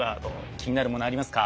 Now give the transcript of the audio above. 気になるものありますか？